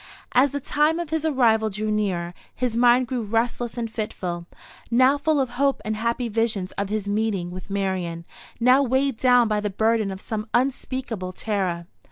As the time of his arrival drew nearer, his mind grew restless and fitful, now full of hope and happy visions of his meeting with Marian, now weighed down by the burden of some unspeakable terror.